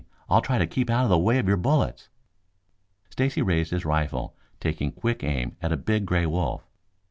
I'll try to keep out of the way of your bullets." Stacy raised his rifle, taking quick aim at a big gray wolf.